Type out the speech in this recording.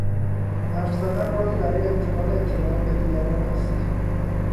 حرفزدن راهی برای انتقال اطلاعات به دیگران است.